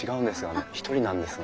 あの１人なんですが。